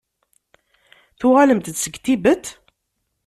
Tuɣalemt-d seg Tibet?